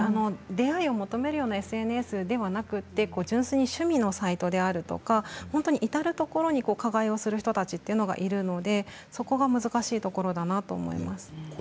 出会いを求めるようなＳＮＳでもなく趣味のサイトであるとか至る所に加害をする人たちはいるのでそこが難しいと思います。